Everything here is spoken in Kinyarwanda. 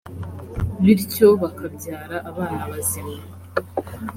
bityo bakabyara abana bazima